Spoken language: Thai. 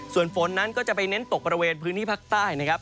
ส่วนฝนนั้นก็จะไปเน้นตกบริเวณพื้นที่ภาคใต้นะครับ